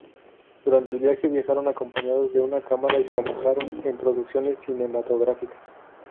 Durante el viaje viajaron acompañados de una cámara y trabajaron en producciones cinematográficas.